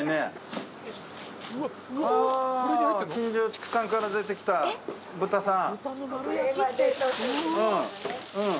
金城畜産から出てきた豚さん。